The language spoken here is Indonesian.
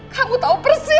kamu tau persis